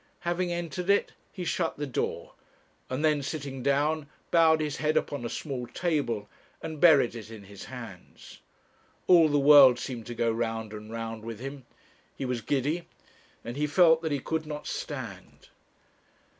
Having entered it he shut the door, and then, sitting down, bowed his head upon a small table and buried it in his hands. All the world seemed to go round and round with him; he was giddy, and he felt that he could not stand.